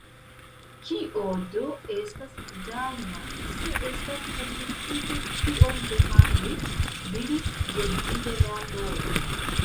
"Kiu do estas Dajna, se estas permesite tion demandi," diris ĝentile la Loro.